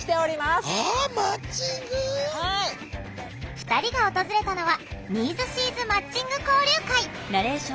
２人が訪れたのは「ニーズ・シーズマッチング交流会」。